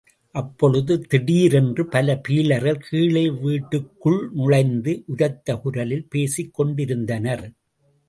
அப்பொழுது திடீரேன்று பல பீலர்கள் கீழே வீட்டுக்குள் நுழைந்து உரத்த குரலில் பேசிக்கொண்டிருந்தனர்.